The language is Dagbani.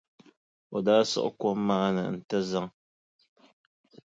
O daa siɣi kom maa ni nti zaŋ.